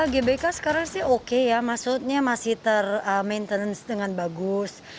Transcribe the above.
gbk sekarang sih oke ya maksudnya masih ter maintenance dengan bagus